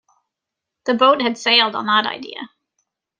The boat had sailed on that idea.